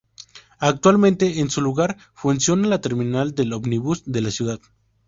Actualmente en su lugar funciona la "Terminal de Ómnibus" de la ciudad.